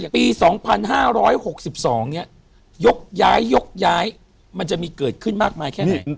ปี๒๕๖๒เนี่ยยกย้ายยกย้ายมันจะมีเกิดขึ้นมากมายแค่ไหน